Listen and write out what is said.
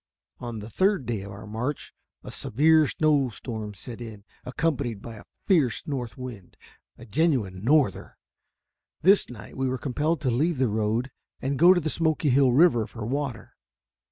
On the third day of our march, a severe snow storm set in, accompanied by a fierce north wind a genuine "norther." This night we were compelled to leave the road and go to the Smoky Hill River for water.